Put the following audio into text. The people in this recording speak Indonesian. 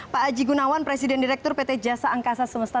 pak aji gunawan presiden direktur pt jasa angkasa semesta